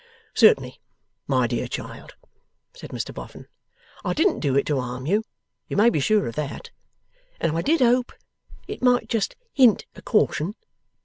'Certainly, my dear child,' said Mr Boffin, 'I didn't do it to harm you; you may be sure of that. And I did hope it might just hint a caution.